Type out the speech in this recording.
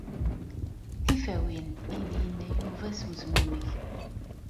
Tifawin, ay d-yenna Yuba s wezmumeg.